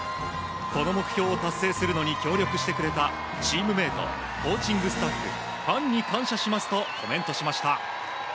この目標を達成するのに協力してくれたチームメートコーチングスタッフファンに感謝しますとコメントしました。